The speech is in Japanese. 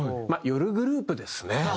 まあ夜グループですね。